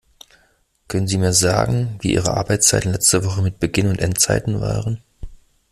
Können sie mir sagen, wir ihre Arbeitszeiten letzte Woche mit Beginn und Endzeiten waren?